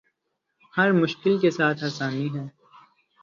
ہر مشکل کے ساتھ آسانی ہے